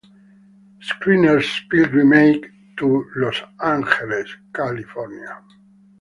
Shriner's Pilgrimage to Los Angeles, Cal.